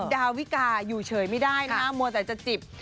ดาวิกาอยู่เฉยไม่ได้นะมัวแต่จะจิบ